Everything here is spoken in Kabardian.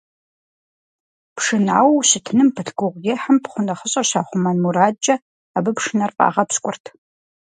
Пшынауэу ущытыным пылъ гугъуехьым пхъу нэхъыщӀэр щахъумэн мурадкӀэ, абы пшынэр фӀагъэпщкӀурт.